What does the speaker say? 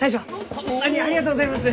ホンマにありがとうございます！